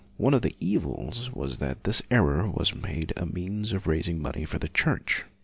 One of the evils was that this error was made a means of raising money for the Church.